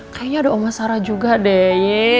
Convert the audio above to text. kayaknya ada oma sarah juga deh